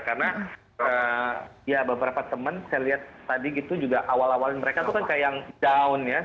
karena ya beberapa temen saya lihat tadi gitu juga awal awalnya mereka tuh kan kayak yang down ya